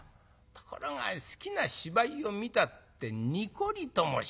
ところが好きな芝居を見たってにこりともしないんだ。